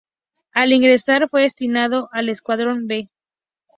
Al ingresar fue destinado al "Escuadrón B".